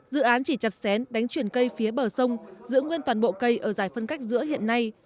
dự án chỉ chặt xén đánh chuyển cây phía bờ sông giữ nguyên toàn bộ cây ở giải phân cách giữa hiện nay